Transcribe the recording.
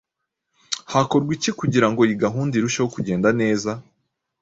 Hakorwa iki kugira ngo iyi gahunda irusheho kugenda neza?